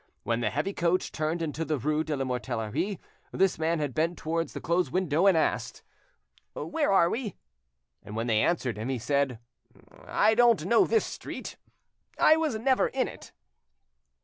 When the heavy coach turned into the rue de la Mortellerie, this man had bent towards the closed window and asked— "Where are we?" And when they answered him, he said— "I do not know this street; I was never in it."